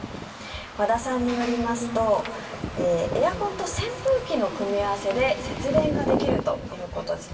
和田さんによりますとエアコンと扇風機の組み合わせで節電ができるということです。